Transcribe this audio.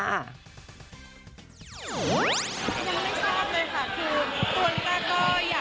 ยังไม่ชอบเลยค่ะ